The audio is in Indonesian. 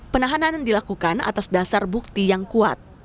penahanan dilakukan atas dasar bukti yang kuat